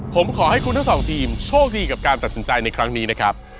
ผมขอให้คุณทั้งสองทีมโชคดีกับการตัดสินใจในครั้งนี้นะครับ